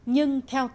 nhưng theo thuật